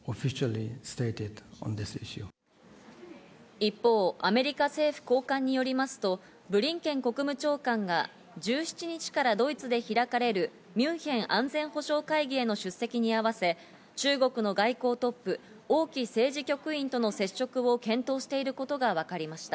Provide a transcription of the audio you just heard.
一方、アメリカ政府高官によりますと、ブリンケン国務長官が１７日からドイツで開かれるミュンヘン安全保障会議への出席に合わせ、中国の外交トップ、オウ・キ政治局員との接触を検討していることがわかりました。